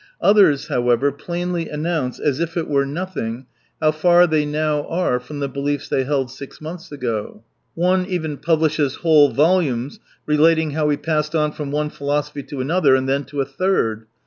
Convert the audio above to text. Others, however, plainly announce, as if it were nothing, how far they now are from the beliefs they held six months ago. One even publishes whole volumes relating how he passed on from one philosophy to another, and then to a third.